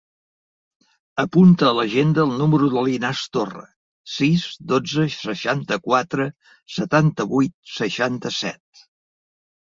Apunta a l'agenda el número de l'Inas Torra: sis, dotze, seixanta-quatre, setanta-vuit, seixanta-set.